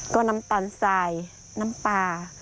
ก็น้ำตาลสายน้ำปลา